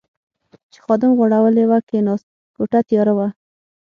چې خادم غوړولې وه، کېناست، کوټه تیاره وه.